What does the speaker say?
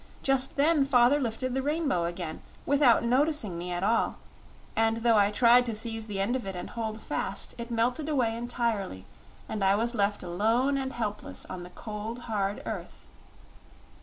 Just then father lifted the rainbow again, without noticing me at all, and though I tried to seize the end of it and hold fast, it melted away entirely and I was left alone and helpless on the cold, hard earth!"